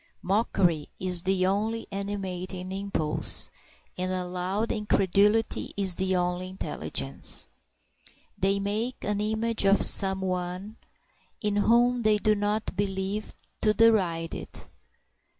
Mockery is the only animating impulse, and a loud incredulity is the only intelligence. They make an image of some one in whom they do not believe, to deride it.